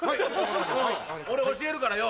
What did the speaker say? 俺教えるからよ。